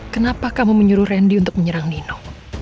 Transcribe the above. kenapa kamu menyuruh randy untuk menyerang nino